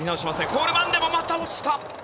コールマンでもまた落ちた！